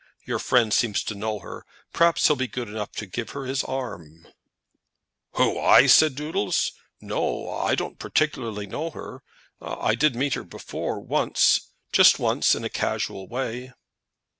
Your friend seems to know her; perhaps he'll be good enough to give her his arm." "Who; I?" said Doodles. "No; I don't know her particularly. I did meet her once before, just once, in a casual way."